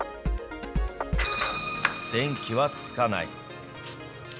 電気はつかない。